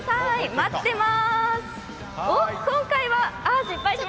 待ってます！